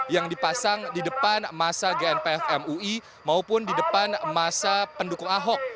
yang dipasang di depan masa gnpf mui maupun di depan masa pendukung ahok